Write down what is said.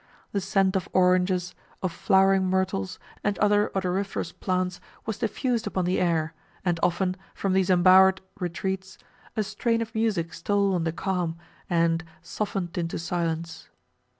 The scent of oranges, of flowering myrtles, and other odoriferous plants was diffused upon the air, and often, from these embowered retreats, a strain of music stole on the calm, and "softened into silence."